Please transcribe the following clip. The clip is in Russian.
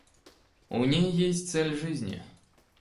У ней есть цель жизни.